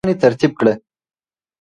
ليکلي پاڼي ترتيب کړه؟